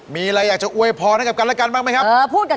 มีอะไรอยากจะอวยพรให้กับกันและกันบ้างไหมครับ